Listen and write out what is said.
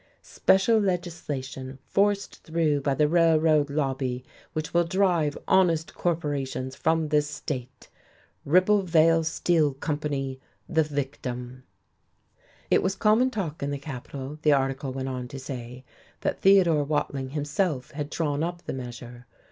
"Special legislation, forced through by the Railroad Lobby, which will drive honest corporations from this state." "Ribblevale Steel Company the Victim." It was common talk in the capital, the article went on to say, that Theodore Watling himself had drawn up the measure....